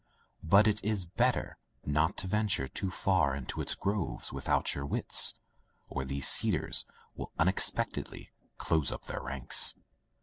But it is better not to venture too far into its groves without your wits, or these cedars will unexpectedly close up their ranks.